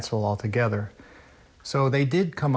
จากเรื่องที่นั้น